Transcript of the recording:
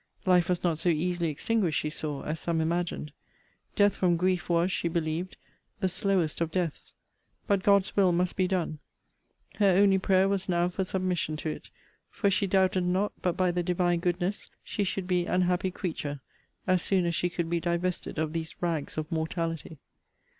Life was not so easily extinguished, she saw, as some imagined. Death from grief, was, she believed, the slowest of deaths. But God's will must be done! Her only prayer was now for submission to it: for she doubted not but by the Divine goodness she should be an happy creature, as soon as she could be divested of these rags of mortality.